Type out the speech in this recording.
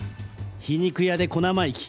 皮肉屋で小生意気。